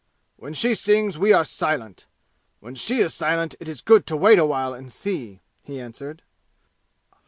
"When she sings we are silent! When she is silent it is good to wait a while and see!" he answered.